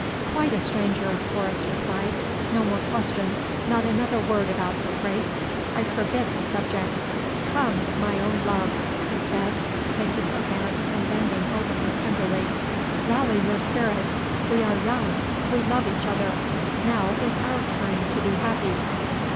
"Quite a stranger," Horace replied. "No more questions not another word about her, Grace! I forbid the subject. Come, my own love!" he said, taking her hand and bending over her tenderly, "rally your spirits! We are young we love each other now is our time to be happy!"